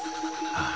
ああ！